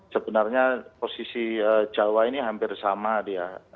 sebenarnya posisi jawa ini hampir sama dia